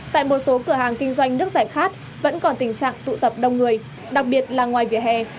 tại một số cửa hàng kinh doanh nước giải khát vẫn còn tình trạng tụ tập đông người đặc biệt là ngoài vỉa hè